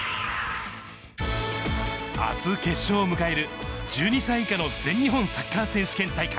あす決勝を迎える１２歳以下の全日本サッカー選手権大会。